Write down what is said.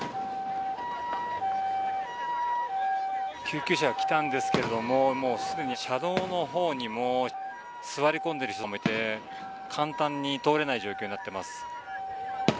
救急車が来たんですけれどもすでに車道の方にも座り込んでいる人もいて簡単に通れない状況になっています。